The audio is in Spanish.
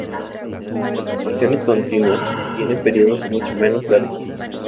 Las "perturbaciones continuas" tienen periodos mucho menos largos.